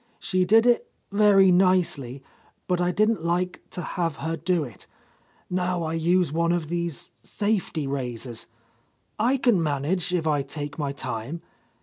She did it very nicely, but I didn't like to have her do it. Now I use one of these safety razors. I can manage, if I take my time.